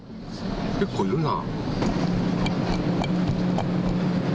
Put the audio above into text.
結構いるな。